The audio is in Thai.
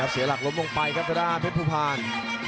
เสียหลักล้มลงไปครับจะได้เผ็ดผู้ผ่าน